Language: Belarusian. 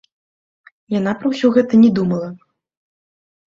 Яна пра ўсё гэта не думала.